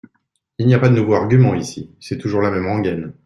Il n’y a pas de nouveaux arguments ici : c’est toujours la même rengaine.